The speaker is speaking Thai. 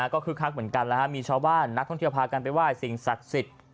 ก็คึกคักเหมือนกันมีชาวบ้านนักท่องเที่ยวพากันไปไหว้สิ่งศักดิ์สิทธิ์